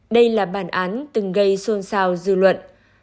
đây là bản án từng gây xôn xao dư luận